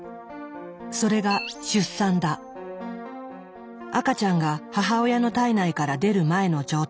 それが赤ちゃんが母親の胎内から出る前の状態